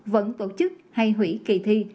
vẫn tổ chức hay hủy kỳ thi